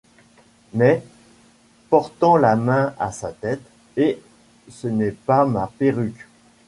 Mais, portant la main à sa tête: « Hé! ce n’est pas ma perruque !